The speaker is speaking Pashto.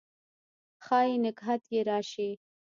ښايي نګهت یې راشي